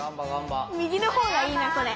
右のほうがいいなこれ。